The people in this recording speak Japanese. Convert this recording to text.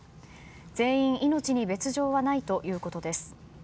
全員命に別条はないということです。